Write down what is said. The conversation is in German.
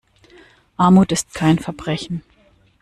Armut ist kein Verbrechen.